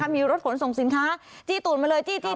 มีรถขนส่งสินค้าจี้ตูดมาเลยจี้